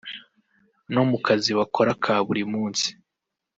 no mu kazi bakora ka buri munsi